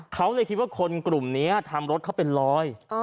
เขาเลยคิดว่าคนกลุ่มนี้ทำรถเขาเป็นรอย